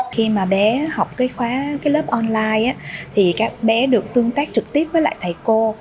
khi bé học lớp online bé được tương tác trực tiếp với thầy cô